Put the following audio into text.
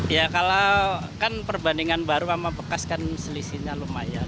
ya kalau kan perbandingan baru sama bekas kan selisihnya lumayan